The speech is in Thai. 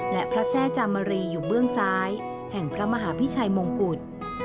และพระแทร่จามรีอยู่เบื้องซ้ายแห่งพระมหาพิชัยมงกุฎ